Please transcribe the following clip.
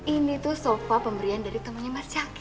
ini sofa pemberian dari temannya mas jaki